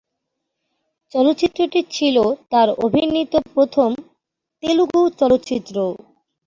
চলচ্চিত্রটি ছিল তার অভিনীত প্রথম তেলুগু চলচ্চিত্র।